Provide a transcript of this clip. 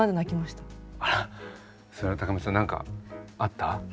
あらそれは高山さん何かあった？